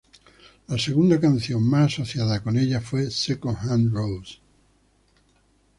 La segunda canción más asociada con ella fue "Second Hand Rose".